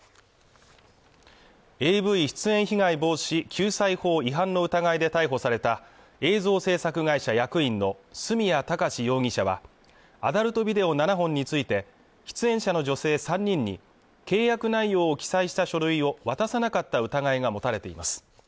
ＡＶ出演被害防止救済法違反の疑いで逮捕された映像会社役員の角谷貴史容疑者はアダルトビデオ７本について出演者の女性３人に契約内容を記載した書類を渡さなかった疑いが持たれています